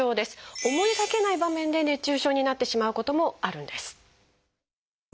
思いがけない場面で熱中症になってしまうこともあるんです。